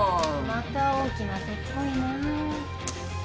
また大きな手っぽいなあ。